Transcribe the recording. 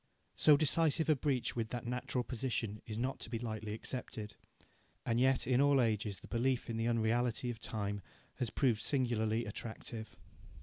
So decisive a breach with that natural position is not to be lightly accepted. And yet in all ages the belief in the unreality of time has proved singularly attractive.